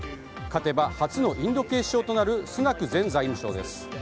勝てば初のインド系首相となるスナク前財務相です。